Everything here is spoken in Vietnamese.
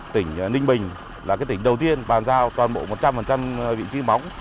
tỉnh ninh bình là tỉnh đầu tiên bàn giao toàn bộ một trăm linh vị trí móng